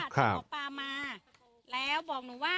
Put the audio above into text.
ครับ